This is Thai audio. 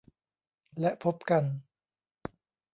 และพบกัน